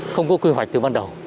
không có quy hoạch từ ban đầu